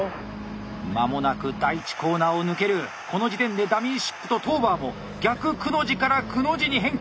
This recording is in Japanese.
間もなく第１コーナーを抜けるこの時点でダミーシップとトーバーも「逆くの字」から「くの字」に変化。